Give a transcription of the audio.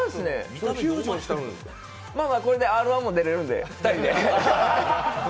まあまあこれで「Ｒ−１」も出れるんで２人で。